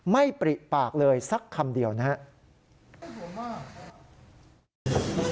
ปริปากเลยสักคำเดียวนะครับ